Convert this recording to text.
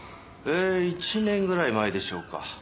１年ぐらい前でしょうか。